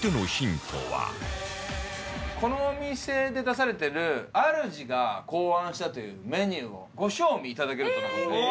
このお店で出されてる主が考案したというメニューをご賞味いただけるとの事で。